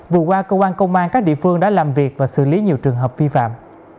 vừa qua cơ quan công an các địa phương đã làm việc và xử lý nhiều trường hợp vi phạm